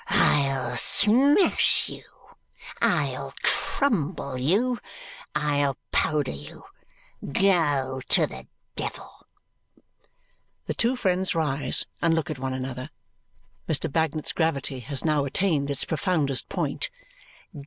I'll smash you. I'll crumble you. I'll powder you. Go to the devil!" The two friends rise and look at one another. Mr. Bagnet's gravity has now attained its profoundest point.